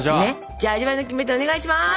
じゃあ味わいのキメテをお願いします。